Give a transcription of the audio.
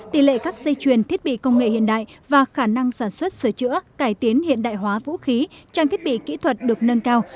tỷ lệ các dây chuyền thiết bị công nghệ hiện đại và khả năng sản xuất sửa chữa cải tiến hiện đại hóa vũ khí trang thiết bị kỹ thuật được nâng cao